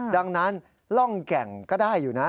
ดังนั้นร่องแก่งก็ได้อยู่นะ